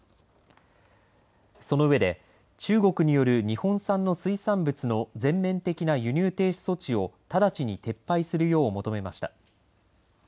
その上で中国による日本産の水産物の全面的な輸入停止措置を直ちに撤廃するよう求めました。